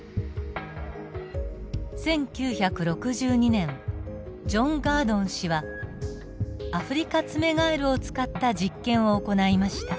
１９６２年ジョン・ガードン氏はアフリカツメガエルを使った実験を行いました。